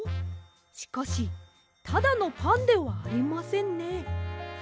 しかしただのパンではありませんね。